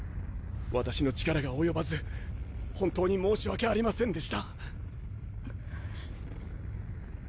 私の力が及ばず本当に申し訳ありませんでした。